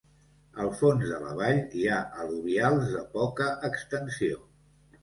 Al fons de la vall, hi ha al·luvials de poca extensió.